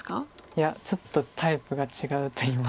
いやちょっとタイプが違うといいますか。